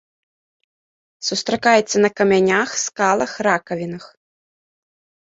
Сустракаецца на камянях, скалах, ракавінах.